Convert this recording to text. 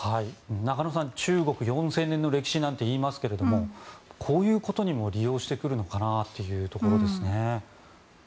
中野さん中国４０００年の歴史なんて言いますけどこういうことにも利用してくるのかなというところですね。